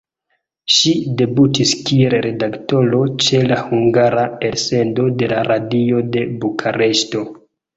Ŝi debutis kiel redaktoro ĉe la hungara elsendo de la Radio de Bukareŝto.